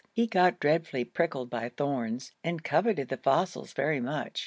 He got dreadfully pricked by thorns and coveted the fossils very much.